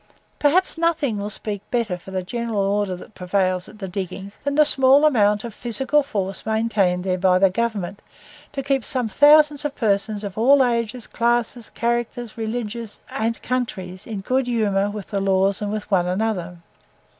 Perhaps nothing will speak better for the general order that prevails at the diggings, than the small amount of physical force maintained there by Government to keep some thousands of persons of all ages, classes, characters, religions and countries in good humour with the laws and with one another.